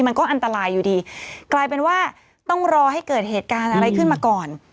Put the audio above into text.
มันก็อันตรายอยู่ดีกลายเป็นว่าต้องรอให้เกิดเหตุการณ์อะไรขึ้นมาก่อน